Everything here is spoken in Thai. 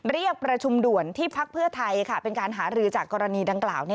เรียกประชุมด่วนที่พักเพื่อไทยเป็นการหารือจากกรณีดังกล่าว